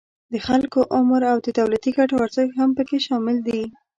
د خلکو عمر او د دولتی ګټو ارزښت هم پکې شامل دي